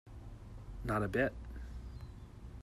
Not a bit.